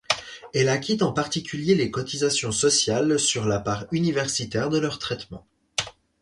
Elle acquitte en particulier les cotisations sociales sur la part universitaire de leur traitement.